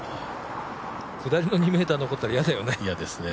下りの２ｍ残ったら嫌だよね。